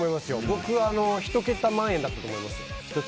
僕、１桁万円だったと思います。